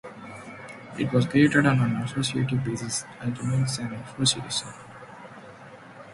It was created on an associative basis and remains an association.